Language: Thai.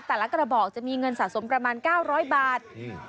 กระบอกจะมีเงินสะสมประมาณ๙๐๐บาท